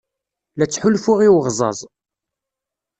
La ttḥulfuɣ i uɣẓaẓ.